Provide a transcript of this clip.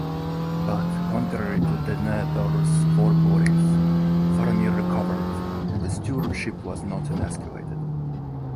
But contrary to Denethor's forebodings, Faramir recovered, and the Stewardship was not emasculated.